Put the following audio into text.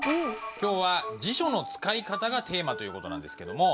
今日は辞書の使い方がテーマという事なんですけども。